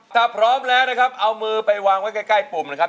ถ้าพร้อมแล้วนะครับเอามือไปวางไว้ใกล้ปุ่มนะครับ